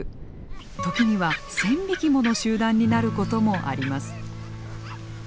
時には１，０００匹もの集団になることもあります。